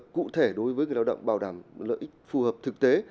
cụ thể đối với người lao động bảo đảm lợi ích phù hợp thực tế